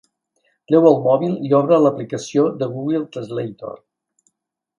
Treu el mòbil i obre l'aplicació de Google Translator.